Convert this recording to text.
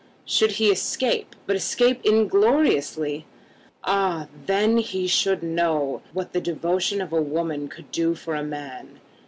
Should he escape, but escape ingloriously; ah, then he should know what the devotion of a woman could do for a man!